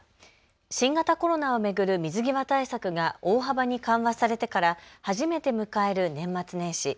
新型コロナを巡る水際対策が大幅に緩和されてから初めて迎える年末年始。